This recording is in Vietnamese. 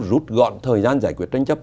rút gọn thời gian giải quyết tranh chấp